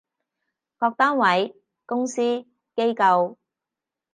各單位，公司，機構